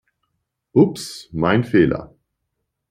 Ups, mein Fehler!